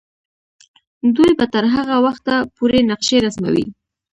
دوی به تر هغه وخته پورې نقشې رسموي.